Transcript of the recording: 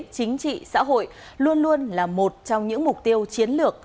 chính trị xã hội luôn luôn là một trong những mục tiêu chiến lược